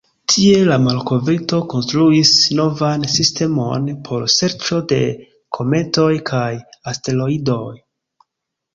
Tie, la malkovrinto konstruis novan sistemon por serĉo de kometoj kaj asteroidoj.